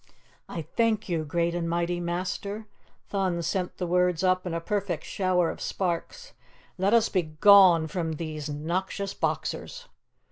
"I thank you, great and mighty Master!" Thun sent the words up in a perfect shower of sparks. "Let us begone from these noxious boxers."